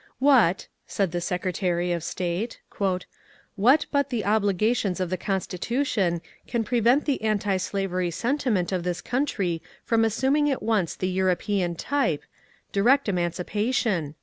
" What," said the Secretary of State, ^^ what but the obligations of the Constitution can prevent the antislavery sentiment of this country from assum ing at once the European type, — direct emancipation